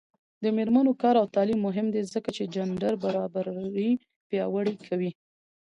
د میرمنو کار او تعلیم مهم دی ځکه چې جنډر برابري پیاوړې کوي.